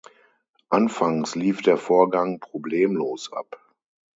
Anfangs lief der Vorgang problemlos ab.